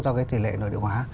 do cái tỷ lệ nội địa hóa